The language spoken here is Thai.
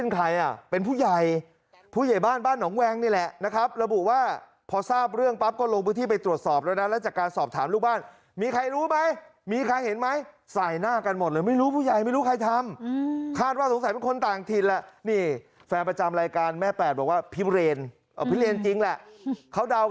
เขาดาวกันว่าสงสัยจะมีอาการทางประสานหรือเปล่า